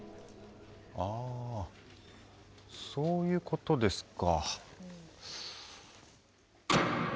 あそういうことですか。